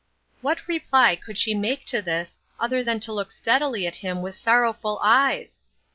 What reply could she make to this, other than to look steadily at him with sorrowful eyes